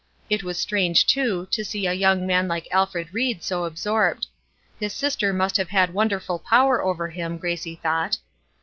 It was strange, too, to see a young man like Alfred Ried so absorbed; his sister must have had wonderful power over him, Gracie thought.